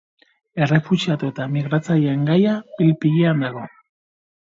Errefuxiatu eta migratzaileen gaia pil-pilean dago.